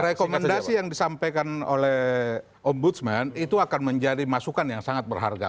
rekomendasi yang disampaikan oleh ombudsman itu akan menjadi masukan yang sangat berharga